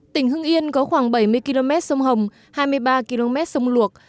tỉnh hưng yên có khoảng bảy mươi km sông hồng hai mươi ba km sông luộc